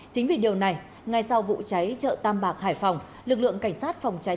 chính vì điều này ngay sau vụ cháy chợ tam bạc hải phòng lực lượng cảnh sát phòng cháy